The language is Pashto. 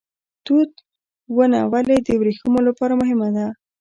توت ونه ولې د وریښمو لپاره مهمه ده؟